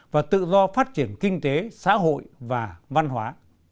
và tự do phát triển kinh tế xã hội và văn hóa